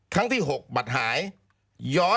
ครั้งที่๕บัตรหาย